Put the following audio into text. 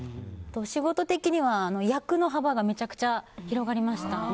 仕事的には役の幅がめちゃくちゃ広がりました。